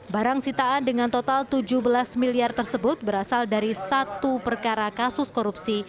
barang sitaan dengan total tujuh belas miliar tersebut berasal dari satu perkara kasus korupsi